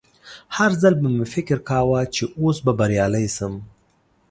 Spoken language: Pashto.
هر ځل به مې فکر کاوه چې اوس به بریالی شم